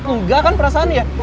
enggak kan perasaannya